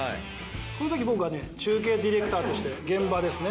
このとき僕はね中継ディレクターとして現場ですね。